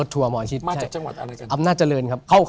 รถทั่วรถทั่วหมายคิด